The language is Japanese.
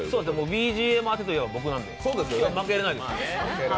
ＢＧＭ当てといえば僕なので今日は負けられないですね。